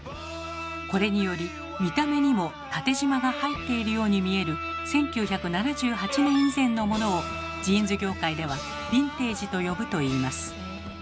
これにより見た目にも縦じまが入っているように見える１９７８年以前のモノをジーンズ業界では「ヴィンテージ」と呼ぶといいます。